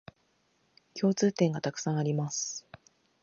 共通点がたくさんあります